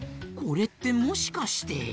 これってもしかして。